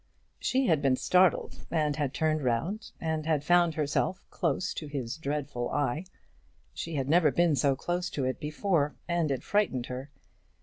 She had been startled, and had turned round, and had found herself close to his dreadful eye. She had never been so close to it before, and it frightened her.